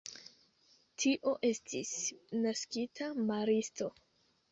Tio estis naskita maristo.